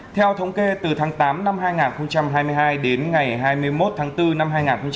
theo thống kê từ tháng tám năm hai nghìn hai mươi hai đến ngày hai mươi một tháng bốn năm hai nghìn hai mươi ba